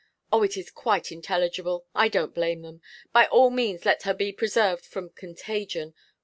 Oh, it is quite intelligible; I don't blame them. By all means let her be preserved from contagion!